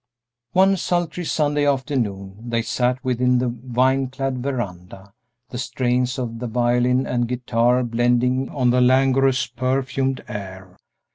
One sultry Sunday afternoon they sat within the vine clad veranda, the strains of the violin and guitar blending on the languorous, perfumed air.